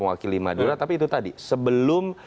mewakili madura tapi itu tadi sebelum